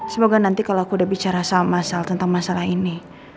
semoga nanti kalau aku udah bicara sama mas al tentang masalah ini